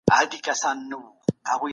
زه مسجد ته ځم.